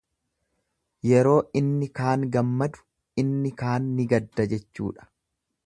Yeroo inni kaan gammadu inni kaan ni gadda jechuudha.